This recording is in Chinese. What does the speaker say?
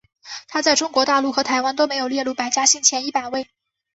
它在中国大陆和台湾都没有列入百家姓前一百位。